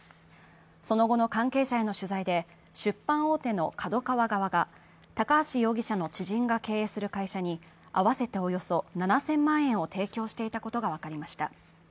その後の関係者への取材で出版大手のＫＡＤＯＫＡＷＡ側が高橋容疑者の知人が経営する会社に合わせておよそ７０００万円を提供していたことが分かりました。